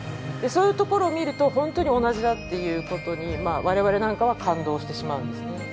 そういうところを見ると本当に同じだっていうことに我々なんかは感動してしまうんですね。